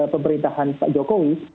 pemerintahan pak jokowi